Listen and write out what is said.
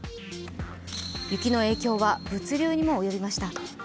雪の影響は物流にも及びました。